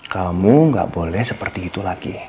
kamu gak boleh seperti itu lagi